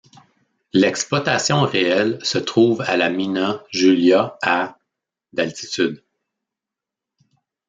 L'exploitation réelle se trouve à la mina Julia à d'altitude.